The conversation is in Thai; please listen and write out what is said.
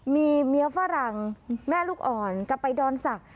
มีเมียฝรั่งแม่ลูกอ่อนจะไปดอนศักดิ